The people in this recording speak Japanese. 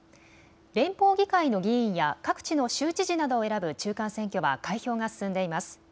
連邦議会の議員や各地の州知事などを選ぶ中間選挙は開票が進んでいます。